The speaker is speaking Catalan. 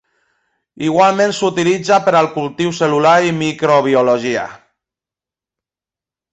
Igualment s'utilitza per al cultiu cel·lular i microbiologia.